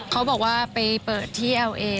เขาบอกว่าไปเปิดที่เอลเอ